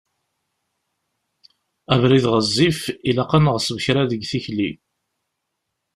Abrid ɣezzif, ilaq ad neɣṣeb kra deg tikli.